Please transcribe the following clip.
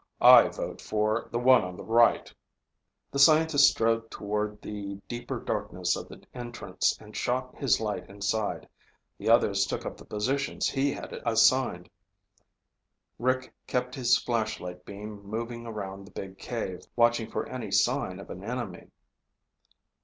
I vote for the one on the right." The scientist strode toward the deeper darkness of the entrance and shot his light inside. The others took up the positions he had assigned. Rick kept his flashlight beam moving around the big cave, watching for any sign of an enemy.